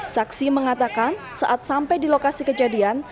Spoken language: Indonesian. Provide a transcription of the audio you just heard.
saksi mengatakan saat sampai di lokasi kejadian